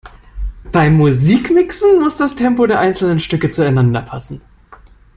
Beim Musikmixen muss das Tempo der einzelnen Stücke zueinander passen.